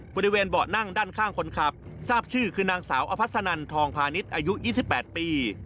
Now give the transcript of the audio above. บริเวณเบาะนั่งด้านข้างคนขับทราบชื่อคือนางสาวอภัสนันทองพาณิชย์อายุ๒๘ปี